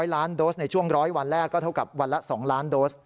ล้านโดสในช่วง๑๐๐วันแรกก็เท่ากับวันละ๒ล้านโดส